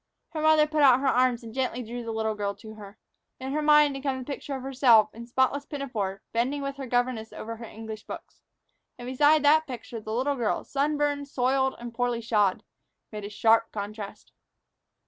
Her mother put out her arms and gently drew the little girl to her. Into her mind had come the picture of herself, in spotless pinafore, bending with her governess over her English books. And beside that picture, the little girl, sunburned, soiled, and poorly shod, made a sharp contrast.